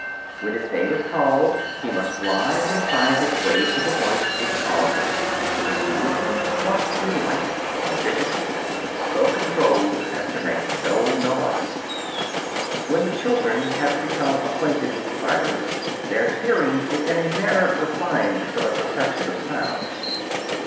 When his name is called he must rise and find his way to the voice which called him; his movements must be light and vigilant, and so controlled as to make no noise. When the children have become acquainted with silence, their hearing is in a manner refined for the perception of sounds.